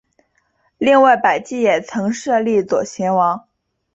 另外百济也曾设立左贤王。